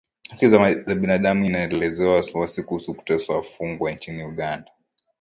Haki za binadamu inaelezea wasiwasi kuhusu kuteswa wafungwa nchini Uganda